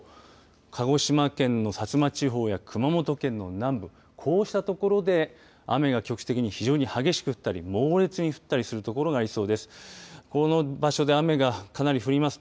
鹿児島県の薩摩地方や熊本県の南部こうした所で雨が局地的に非常に激しく降ったり猛烈に降ったりする所がありそうです。